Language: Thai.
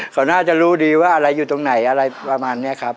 เขาน่าจะรู้ดีว่าอะไรอยู่ตรงไหนอะไรประมาณนี้ครับ